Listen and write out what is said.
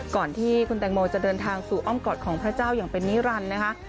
ก่อนที่คุณแตงโมจะเดินทางสู่อ้อมกอดของพระเจ้าอย่างเป็นนิรันดิ์นะคะ